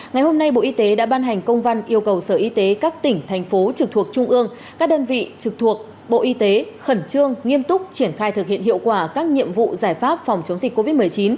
ngày hôm nay bộ y tế đã ban hành công văn yêu cầu sở y tế các tỉnh thành phố trực thuộc trung ương các đơn vị trực thuộc bộ y tế khẩn trương nghiêm túc triển khai thực hiện hiệu quả các nhiệm vụ giải pháp phòng chống dịch covid một mươi chín